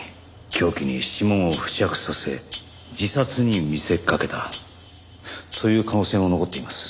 凶器に指紋を付着させ自殺に見せかけた。という可能性も残っています。